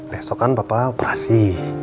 besok kan papa operasi